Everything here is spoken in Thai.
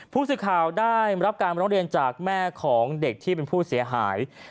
ผู้สื่อข่าวได้รับการร้องเรียนจากแม่ของเด็กที่เป็นผู้เสียหาย